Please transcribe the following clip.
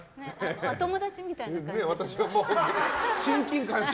お友達みたいな感じ。